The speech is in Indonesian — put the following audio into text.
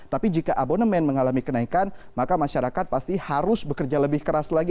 tapi jika abonemen mengalami kenaikan maka masyarakat pasti harus bekerja lebih keras lagi